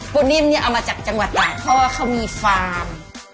นิ่มเนี่ยเอามาจากจังหวัดตากเพราะว่าเขามีฟาร์ม